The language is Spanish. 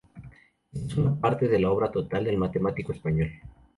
Esta es una parte de la obra total del matemático español.